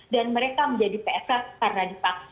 dan mereka menjadi psk karena dipaksa